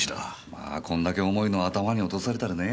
まあこんだけ重いのを頭に落とされたらねぇ。